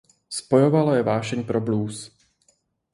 Spojovala je vášeň pro blues.